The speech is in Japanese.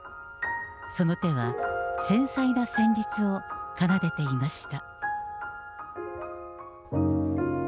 その手は繊細な旋律を奏でていました。